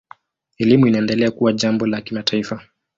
Elimu inaendelea kuwa jambo la kimataifa.